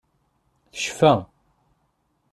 Tecfa.